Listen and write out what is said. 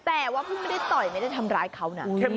แต่ว่าเพิ่งไม่ได้ต่อยไม่ได้ทำร้ายเขานะ